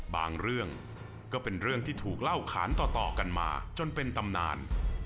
บางเรื่องก็เป็นเรื่องที่ถูกเล่าขานต่อกันมาจนเป็นตำนาน